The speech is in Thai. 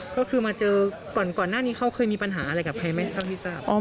ก็คือมาเจอก่อนหน้านี้เขาเคยมีปัญหาอะไรกับใครไหมเท่าที่ทราบ